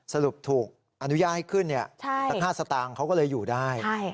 สรุปถูกอนุญาตให้ขึ้นสัก๕สตางค์เขาก็เลยอยู่ได้